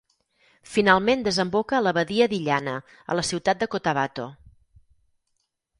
Finalment desemboca a la badia d'Illana a la ciutat de Cotabato.